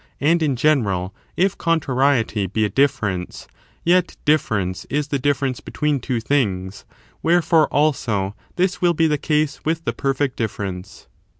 And, in general, if con trariety be a difference, yet difference is the difference be tween two things : wherefore, also, this will be the case with the perfect difference.